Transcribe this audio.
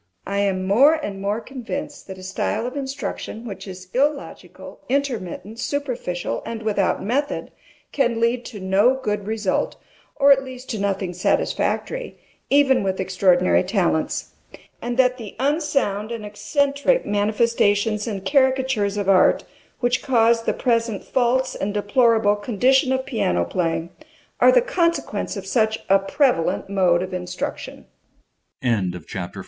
MRS. SOLID. I am more and more convinced that a style of instruction which is illogical, intermittent, superficial, and without method, can lead to no good result, or at least to nothing satisfactory, even with extraordinary talents; and that the unsound and eccentric manifestations and caricatures of art, which cause the present false and deplorable condition of piano playing